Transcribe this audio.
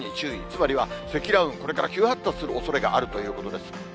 つまりは積乱雲、これから急発達するおそれがあるということです。